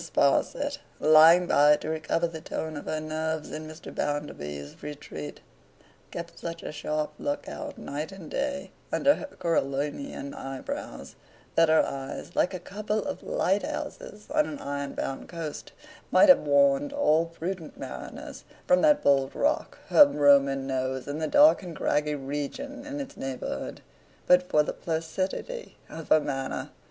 SPARSIT, lying by to recover the tone of her nerves in Mr. Bounderby's retreat, kept such a sharp look out, night and day, under her Coriolanian eyebrows, that her eyes, like a couple of lighthouses on an iron bound coast, might have warned all prudent mariners from that bold rock her Roman nose and the dark and craggy region in its neighbourhood, but for the placidity of her manner.